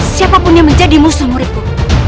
siapapun yang menjadi musuh muridku